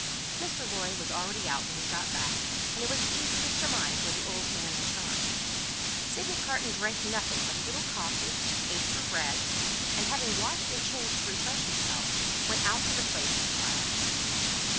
Mr. Lorry was already out when he got back, and it was easy to surmise where the good old man was gone. Sydney Carton drank nothing but a little coffee, ate some bread, and, having washed and changed to refresh himself, went out to the place of trial.